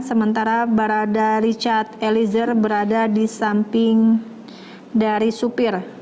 sementara richard elizer berada di samping dari supir